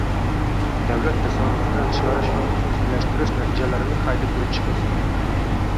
davlat tasarrufidan chiqarish va xususiylashtirish natijalarini qayta ko‘rib chiqisin.